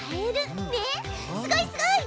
すごいすごい！